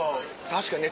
確かにね